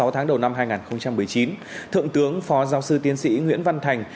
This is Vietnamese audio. sáu tháng đầu năm hai nghìn một mươi chín thượng tướng phó giáo sư tiến sĩ nguyễn văn thành